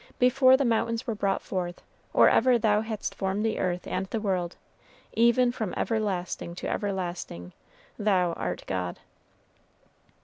Before the mountains were brought forth, or ever thou hadst formed the earth and the world, even from everlasting to everlasting, thou art God."